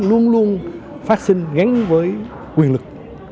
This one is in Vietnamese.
luôn luôn phát sinh gắn với quyền lực